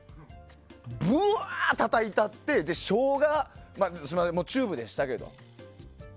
ブワーたたいたってショウガ、チューブでしたけど。